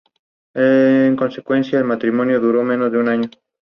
Constituye un verdadero museo al aire libre de la cultura amerindia.